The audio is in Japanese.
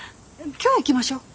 今日行きましょう。